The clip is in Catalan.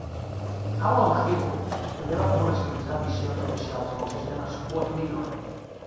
Avalon Hill també va comercialitzar addicions "oficials" al sistema Squad Leader.